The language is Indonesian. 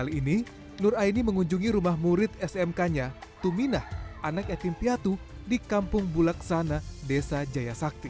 kali ini nur aini mengunjungi rumah murid smk nya tuminah anak yatim piatu di kampung bulaksana desa jaya sakti